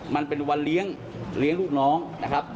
มันเป็นวันเลี้ยงลูกน้องนะครับ